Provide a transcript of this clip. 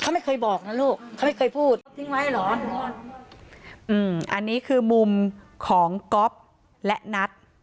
เขาไม่เคยบอกนะลูกเขาไม่เคยพูดทิ้งไว้เหรออืมอันนี้คือมุมของก๊อฟและนัท